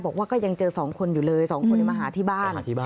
บอกว่าก็ยังเจอ๒คนอยู่เลย๒คนนี้มาหาที่บ้าน